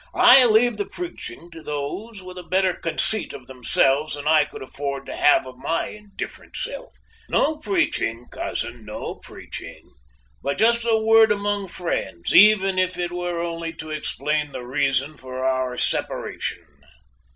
I leave the preaching to those with a better conceit of themselves than I could afford to have of my indifferent self. No preaching, cousin, no preaching, but just a word among friends, even if it were only to explain the reason for our separation."